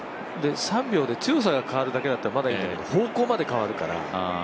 ３秒で強さが変わるだけだったらまだいいんだけど方向まで変わるから。